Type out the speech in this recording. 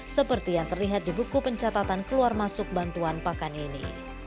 seperti yang terlihat di buku pencatatan keluar masuk bantuan pakan ini